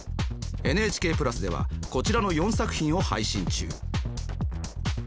ＮＨＫプラスではこちらの４作品を配信中。